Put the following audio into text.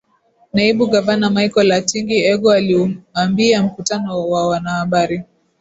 Naibu Gavana Michael Atingi-Ego aliuambia mkutano wa wanahabari